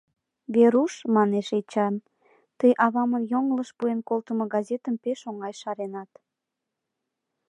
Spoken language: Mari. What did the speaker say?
— Веруш, — манеш Эчан, — тый авамын йоҥылыш пуэн колтымо газетым пеш оҥай шаренат.